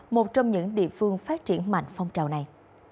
một trong những địa phương phát triển mạnh phong trào này